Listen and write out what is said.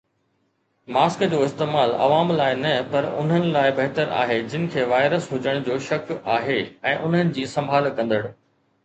mask جو استعمال عوام لاءِ نه پر انهن لاءِ بهتر آهي جن کي وائرس هجڻ جو شڪ آهي ۽ انهن جي سنڀال ڪندڙ